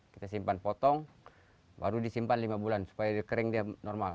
kita simpan potong baru disimpan lima bulan supaya kering dia normal